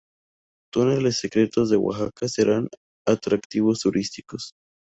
Túneles secretos de Oaxaca serán atractivos turísticos.